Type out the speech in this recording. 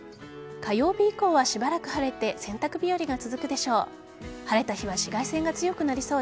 火曜日以降はしばらく晴れて洗濯日和が続くでしょう。